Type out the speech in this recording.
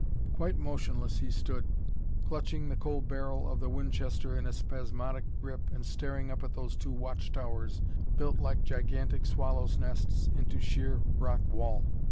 Quite motionless he stood, clutching the cold barrel of the Winchester in a spasmodic grip and staring up at those two watch towers, built like gigantic swallows' nests into sheer rock wall.